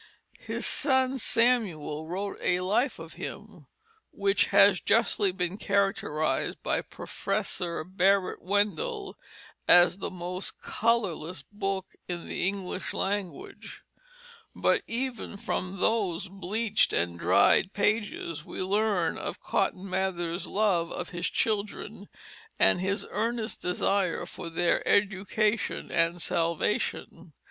His son Samuel wrote a life of him, which has justly been characterized by Professor Barrett Wendell as the most colorless book in the English language; but even from those bleached and dried pages we learn of Cotton Mather's love of his children, and his earnest desire for their education and salvation.